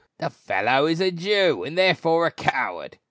"The fellow is a Jew and therefore a coward!"